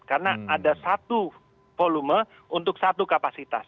karena ada satu volume untuk satu kapasitas